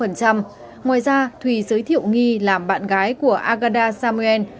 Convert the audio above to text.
ngoài ra thùy giới thiệu nghi làm bạn gái của agada samuel